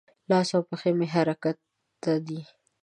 لاس او پښې مې حرکت ته دي.